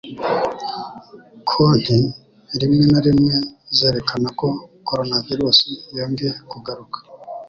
Konti rimwe na rimwe zerekana ko coronavirus yongeye kugaruka